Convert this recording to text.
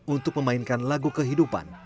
untuk memainkan lagu kehidupan